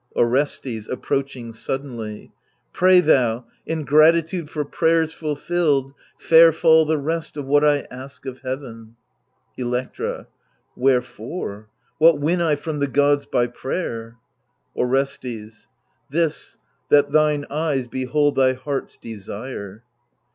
Orestes (approaching suddenly) Pray thou, in gratitude for prayers fulfilled, Fair fall the rest of what I ask of heaven, Electra Wherefore ? what win I from the gods by prayer ? Orestes This, that thine eyes behold thy heart's desire.